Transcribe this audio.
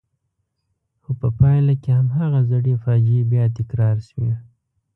خو په پایله کې هماغه زړې فاجعې بیا تکرار شوې.